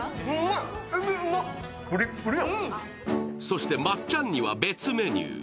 そしてまっちゃんには別メニュー。